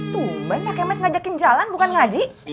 tungguin pak kemet ngajakin jalan bukan ngaji